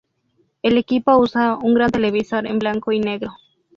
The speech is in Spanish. El equipo usa un gran televisor en blanco y negro.